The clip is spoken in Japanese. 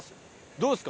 どうですか？